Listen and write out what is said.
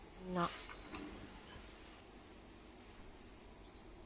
やあ！みんな